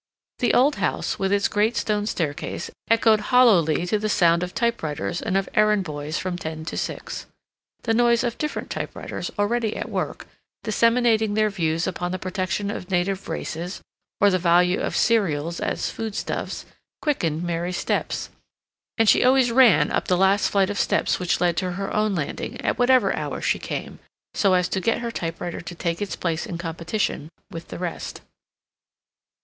The old house, with its great stone staircase, echoed hollowly to the sound of typewriters and of errand boys from ten to six. The noise of different typewriters already at work, disseminating their views upon the protection of native races, or the value of cereals as foodstuffs, quickened Mary's steps, and she always ran up the last flight of steps which led to her own landing, at whatever hour she came, so as to get her typewriter to take its place in competition with the rest.